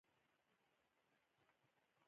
افغانستان د ژورې سرچینې په اړه علمي څېړنې لري.